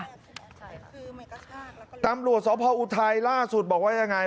ใช่ครับคือมีกระชากแล้วก็ตำรวจสอุทัยล่าสุดบอกว่าอย่างไร